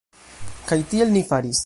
Kaj tiel ni faris.